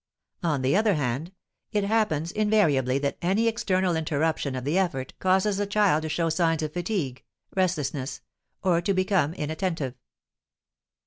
On the other hand, it happens invariably that any external interruption of the effort causes the child to show signs of fatigue (restlessness), or to become inattentive.